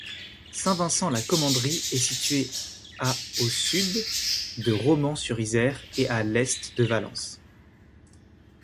Saint-Vincent-la-Commanderie est situé à au sud de Romans-sur-Isère et à à l'est de Valence.